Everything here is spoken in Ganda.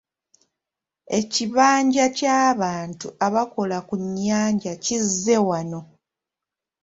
Ekibanja ky'abantu abakola ku nnyanja kizze wano.